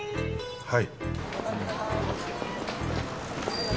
はい。